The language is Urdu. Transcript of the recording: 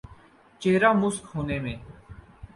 چہر ہ مسخ ہونے میں۔